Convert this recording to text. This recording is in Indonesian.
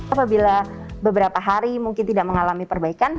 apabila beberapa hari mungkin tidak mengalami perbaikan